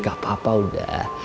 gak apa apa udah